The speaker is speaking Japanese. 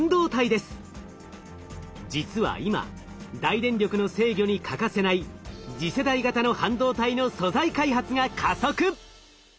実は今大電力の制御に欠かせない次世代型の半導体の素材開発が加速！